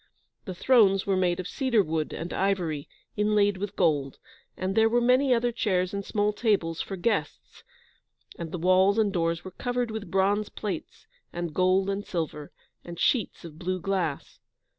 The thrones were made of cedar wood and ivory, inlaid with gold, and there were many other chairs and small tables for guests, and the walls and doors were covered with bronze plates, and gold and silver, and sheets of blue glass.